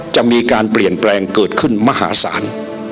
จะมีการเปลี่ยนแปลงเกิดขึ้นมหาศาล